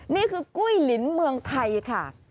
นี่คือกุ้ยลินเมืองไทยค่ะ